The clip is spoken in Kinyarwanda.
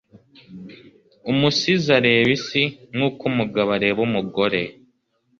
Umusizi areba isi nkuko umugabo areba umugore.